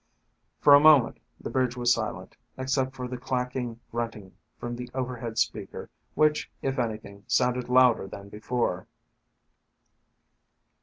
For a moment the bridge was silent, except for the clacking grunting from the overhead speaker which, if anything, sounded louder than before.